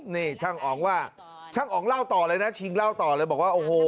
นี่ช่างอ๋องว่าช่างอ๋องเล่าต่อเลยนะชิงเล่าต่อเลยบอกว่าโอ้โห